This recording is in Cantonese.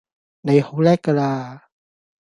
你好叻㗎啦